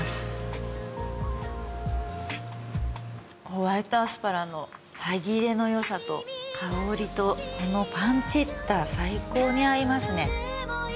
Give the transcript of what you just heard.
ホワイトアスパラの歯切れの良さと香りとこのパンチェッタ最高に合いますね。